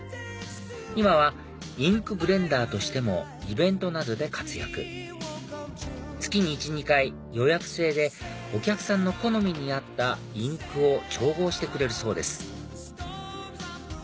今はインクブレンダーとしてもイベントなどで活躍月に１２回予約制でお客さんの好みに合ったインクを調合してくれるそうです